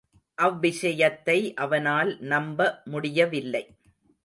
அவ்விஷயத்தை அவனால் நம்ப முடியவில்லை.